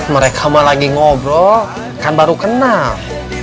mereka mah lagi ngobrol kan baru kenal